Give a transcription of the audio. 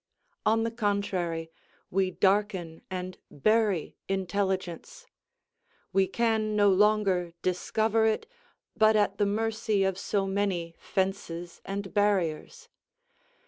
On the contrary, we darken and bury intelligence; we can no longer discover it, but at the mercy of so many fences and barriers.